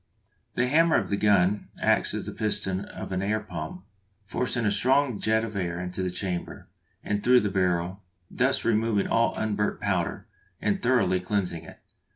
The hammer of the gun acts as the piston of an air pump, forcing a strong jet of air into the chamber, and through the barrel, thus removing all unburnt powder, and thoroughly cleansing it.